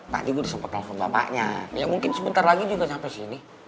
tadi gue disempet telfon bapaknya ya mungkin sebentar lagi juga nyampe sini